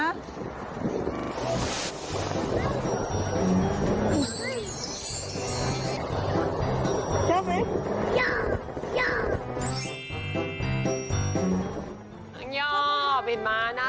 น้องยอบอินม้าน่ารักนะฮะ